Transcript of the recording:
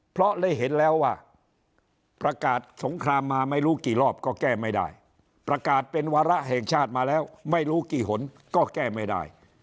เพราะได้เห็นแล้วว่าประกาศสงครามมาไม่รู้กี่รอบก็แก้ไม่ได้ประกาศเป็นวาระแห่งชาติมาแล้วไม่รู้กี่หนก็แก้ไม่ได้